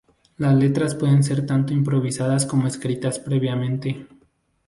Las letras pueden ser tanto improvisadas como escritas previamente.